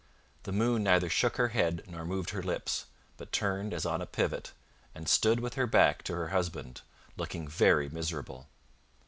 The moon neither shook her head nor moved her lips, but turned as on a pivot, and stood with her back to her husband, looking very miserable.